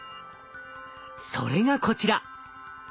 それがこちら！